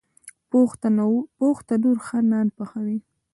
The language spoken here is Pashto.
پوخ تنور ښه نان پخوي